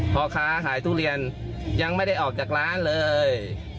พ่อค้าขายทุเรียนยังไม่ได้ออกจากร้านเลย